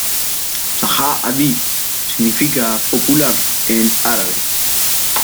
Šaʿabī significa "popular" en árabe.